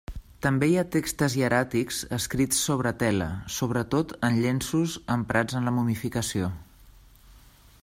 També hi ha texts hieràtics escrits sobre tela, sobretot en llenços emprats en la momificació.